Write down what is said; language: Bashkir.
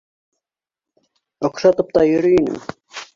Оҡшатып та йөрөй инем.